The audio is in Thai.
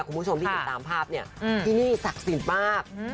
คุณผู้ชมได้เห็นตามภาพเนี่ยอืมที่นี่ศักดิ์สินมากอืม